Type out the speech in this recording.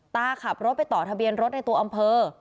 ตาขับรถไปต่อทะเบียนรถในตัวอำเภอ